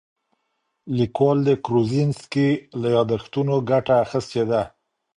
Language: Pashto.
لیکوال د کروزینسکي له یادښتونو ګټه اخیستې ده.